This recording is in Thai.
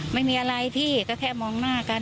ไม่มีอะไรพี่ก็แค่มองหน้ากัน